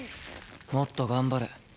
もっと頑張れ。